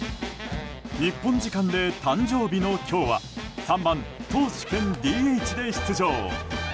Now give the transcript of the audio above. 日本時間で誕生日の今日は３番投手兼ＤＨで出場。